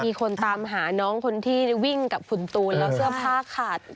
มีคนตามหาน้องคนที่วิ่งกับคุณตูนแล้วเสื้อผ้าขาด